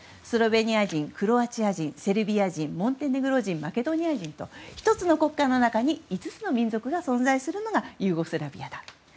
スロベニア人、クロアチア人セルビア人モンテネグロ人、マケドニア人と１つの国家の中に５つの民族が存在するのがユーゴスラビアだと。